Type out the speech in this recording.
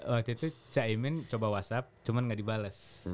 waktu itu cak iman coba whatsapp cuman gak dibales